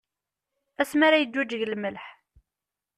Asmi ara yeǧǧuǧǧeg lmelḥ!